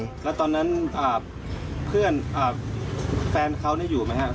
แล้วตอนนั้นเพื่อนแฟนเขาอยู่ไหมครับ